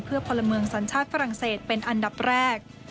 เพื่อพลเมืองสัญชาติฝรั่งเศสเป็นอันดับแรก